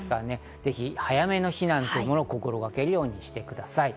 ぜひ早めの避難というのを心がけるようにしてください。